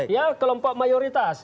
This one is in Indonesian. ya kelompok mayoritas